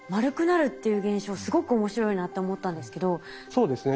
そうですね。